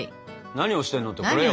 何をしてんのってこれよ。